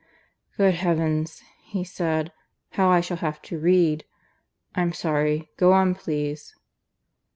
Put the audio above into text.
"Good heavens!" he said. "How I shall have to read. I'm sorry. Go on, please."